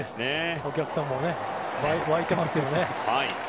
お客さんも沸いてますね。